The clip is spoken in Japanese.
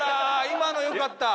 今のよかった？